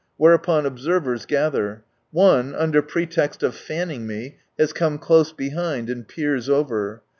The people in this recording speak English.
Whereupon observers gather. One, under pretext of fanning me, ^m has come close behind, and peers over.